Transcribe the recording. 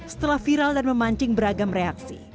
setelah viral dan memancing beragam reaksi